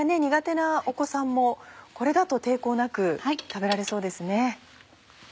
なお子さんもこれだと抵抗なく食べられそうですね。